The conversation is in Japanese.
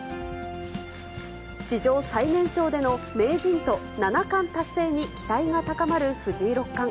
史上最年少での名人と、七冠達成に期待が高まる藤井六冠。